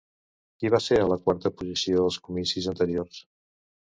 Qui va ser a la quarta posició als comicis anteriors?